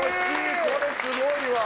これすごいわ。